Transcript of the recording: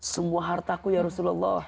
semua hartaku ya rasulullah